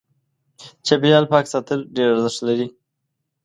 چاپېريال پاک ساتل ډېر ارزښت لري.